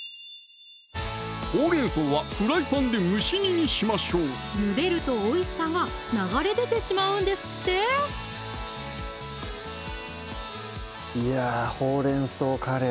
ほうれん草はフライパンで蒸し煮にしましょうゆでるとおいしさが流れ出てしまうんですっていや「ほうれん草カレー」